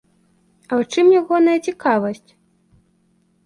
А ў чым ягоная цікавасць?